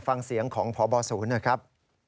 ฟังเสียงของพบศูนย์หน่อยครับ